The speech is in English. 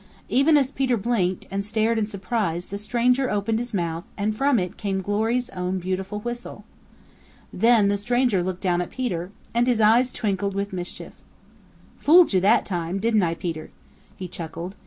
Even as Peter blinked and stared in surprise the stranger opened his mouth and from it came Glory's own beautiful whistle. Then the stranger looked down at Peter, and his eyes twinkled with mischief. "Fooled you that time, didn't I, Peter?" he chuckled.